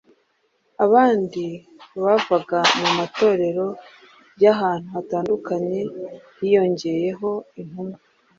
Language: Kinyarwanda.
abandi bavaga mu matorero y’ahantu hatandukanye hiyongeyeho intumwa